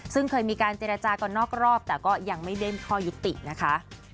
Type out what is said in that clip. ซึ่งเคยมีการเจรจากันนอกรอบแต่ก็ยังไม่เด้นข้อยุตินะคะ